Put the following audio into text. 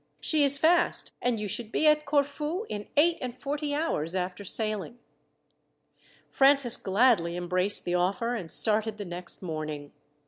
She is fast, and you should be at Corfu in eight and forty hours after sailing." Francis gladly embraced the offer, and started the next morning.